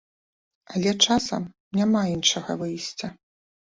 Але часам няма іншага выйсця.